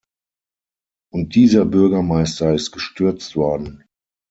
Und dieser Bürgermeister ist gestürzt worden.